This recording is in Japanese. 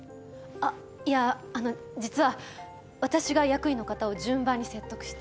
あっいやあの実は私が役員の方を順番に説得して。